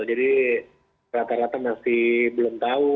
jadi rata rata masih belum tahu